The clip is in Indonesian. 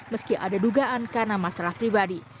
meski ada dugaan karena masalah pribadi